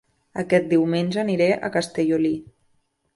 Aquest diumenge aniré a Castellolí